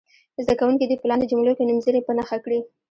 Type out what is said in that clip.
زده کوونکي دې په لاندې جملو کې نومځري په نښه کړي.